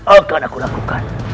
akan aku lakukan